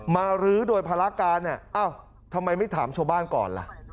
รื้อโดยภารการเนี่ยเอ้าทำไมไม่ถามชาวบ้านก่อนล่ะ